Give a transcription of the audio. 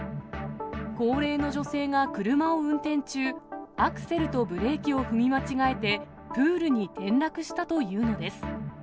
高齢の女性が車を運転中、アクセルとブレーキを踏み間違えて、プールに転落したというのです。